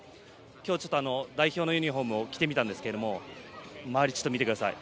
今日、代表のユニフォームを着てみたんですが周りを見てください。